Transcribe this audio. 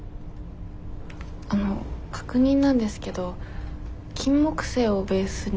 あの確認なんですけどキンモクセイをベースに。